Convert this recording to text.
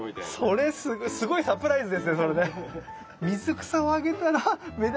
それすごいサプライズですねそれね。